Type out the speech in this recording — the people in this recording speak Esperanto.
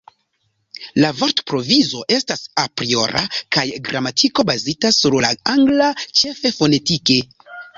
La vortprovizo estas apriora kaj gramatiko bazita sur la angla, ĉefe fonetike.